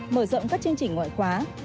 mở rộng các chương trình ngoại khóa